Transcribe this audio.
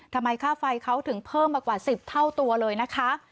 ค่าไฟเขาถึงเพิ่มมากว่า๑๐เท่าตัวเลยนะคะ